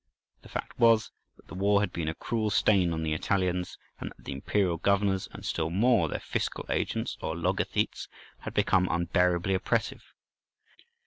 The fact was, that the war had been a cruel strain on the Italians, and that the imperial governors, and still more their fiscal agents, or "logothetes," had become unbearably oppressive.